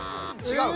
違う。